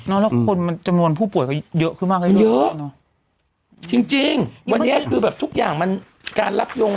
นอกคนจำนวนผู้ป่วยมันเยอะขึ้นมากเลย